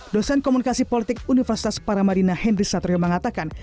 dosen komunikasi politik universitas paramarina henry satorio mengatakan